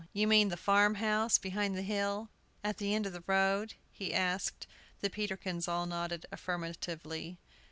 "You mean the farm house behind the hill, at the end of the road?" he asked. The Peterkins all nodded affirmatively.